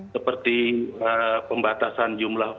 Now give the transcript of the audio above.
seperti pembatasan jumlah